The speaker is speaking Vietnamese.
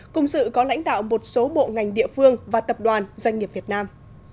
cùng sự có lãnh đạo một số bộ ngành địa phương và tập đoàn doanh nghiệp việt nam